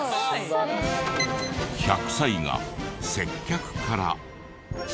１００歳が接客から。